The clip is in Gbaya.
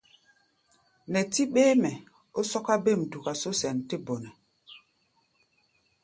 Nɛtí ɓéémɛ ó sɔ́ká bêm duka só sɛn tɛ́ bɔnɛ.